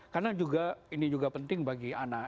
karena ini juga penting bagi anak